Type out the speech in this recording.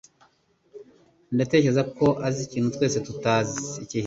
Ndatekereza ko azi ikintu twese tutazi.